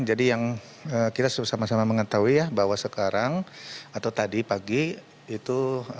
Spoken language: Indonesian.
jadi yang kita sama sama mengetahui ya bahwa sekarang atau tadi pagi itu